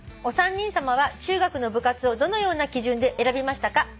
「お三人さまは中学の部活をどのような基準で選びましたか？」